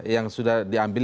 yang sudah diambil